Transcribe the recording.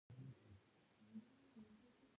ولي باید ټول طب ووایو؟